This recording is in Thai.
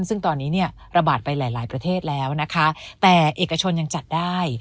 ซึ่งตอนนี้เนี่ยระบาดไปหลายหลายประเทศแล้วนะคะแต่เอกชนยังจัดได้